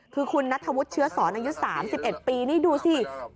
คือคุณนัทธวุฒิเชื้อสอนอายุ๓๑ปีนี่ดูสิ